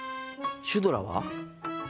シュドラは？